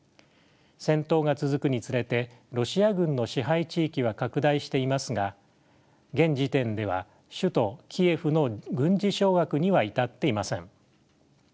戦闘が続くにつれてロシア軍の支配地域は拡大していますが現時点では首都キエフの軍事掌握には至っていません。